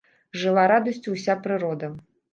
Жыла радасцю ўся прырода.